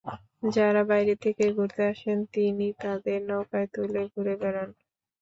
যাঁরা বাইরে থেকে ঘুরতে আসেন, তিনি তাঁদের নৌকায় তুলে ঘুরে বেড়ান।